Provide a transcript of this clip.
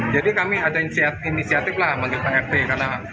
jadi kami ada inisiatif lah manjir prt